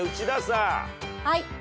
はい。